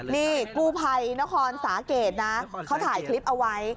นี่กู้ภัยนครสาเกตนะเขาถ่ายคลิปเอาไว้